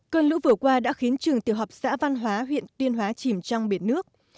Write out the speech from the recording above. cơn lũ vừa qua đã khiến trường tiểu học xã văn hóa huyện tuyên hóa chìm trong biển nước